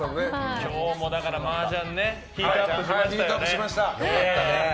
今日もだからマージャンヒートアップしました。